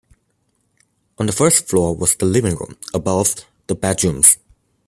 On the first floor was the living room, above, the bedrooms.